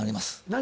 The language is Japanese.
何？